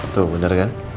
tuh bener kan